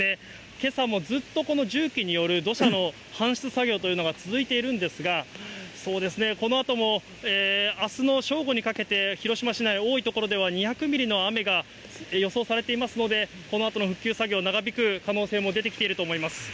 けさもずっとこの重機による土砂の搬出作業というのが続いているんですが、このあともあすの正午にかけて、広島市内、多い所では２００ミリの雨が予想されていますので、このあとの復旧作業、長引く可能性も出てきていると思います。